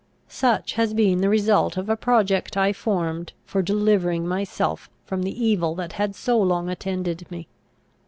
Such has been the result of a project I formed, for delivering myself from the evil that had so long attended me.